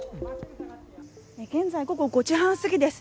現在午後５時半過ぎです。